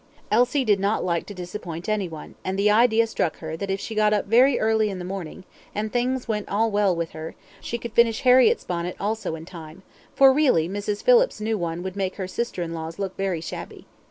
Elsie did not like to disappoint any one, and the idea struck her that if she got up very early in the morning, and things went all well with her, she could finish Harriett's bonnet also in time, for really Mrs. Phillips's new one would make her sister in law's look very shabby.